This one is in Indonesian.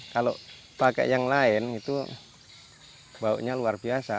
kalau pakai yang lain itu baunya luar biasa